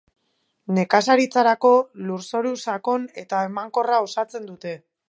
Nekazaritzarako, lurzoru sakon eta emankorra osatzen dute.